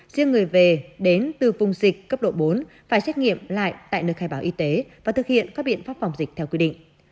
riêng người về đến từ vùng dịch cấp độ bốn phải xét nghiệm lại tại nơi khai báo y tế và thực hiện các biện pháp phòng dịch theo quy định